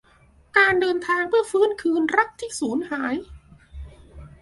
"การเดินทางเพื่อฟื้นคืนรักที่สูญหาย"